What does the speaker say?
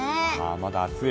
まだ暑い！